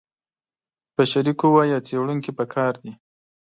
بشري قوه یا څېړونکي په کار دي.